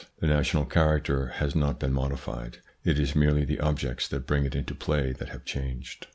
The national charac ter has not been modified ; it is merely the objects that bring it into play that have changed.